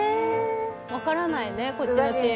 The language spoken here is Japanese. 分からないね、こっちのチーム。